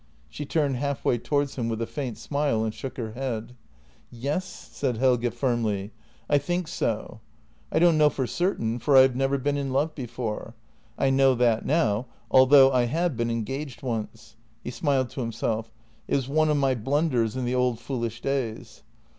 She turned half way towards him, with a faint smile, and shook her head. " Yes," said Helge firmly; " I think so. I don't know for certain, for I have never been in love before — I know that now — although I have been engaged once." He smiled to himself. " It was one of my blunders in the old foolish days.